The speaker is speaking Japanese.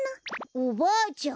おばあちゃん。